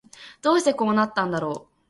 どうしてこうなったんだろう